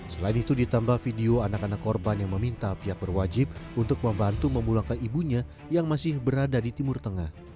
selain itu ditambah video anak anak korban yang meminta pihak berwajib untuk membantu memulangkan ibunya yang masih berada di timur tengah